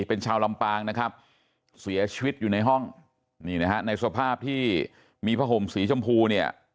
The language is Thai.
เป็นชาวลำปางนะครับเสียชีวิตอยู่ในห้องนี่นะฮะในสภาพที่มีผ้าห่มสีชมพูเนี่ย